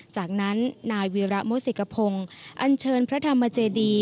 จากนั้นนายวีระมุสิกพงศ์อันเชิญพระธรรมเจดี